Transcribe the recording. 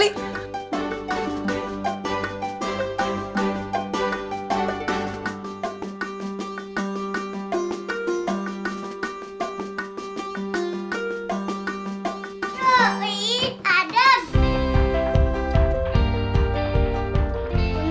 tuh ini adam